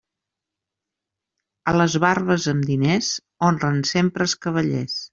A les barbes amb diners honren sempre els cavallers.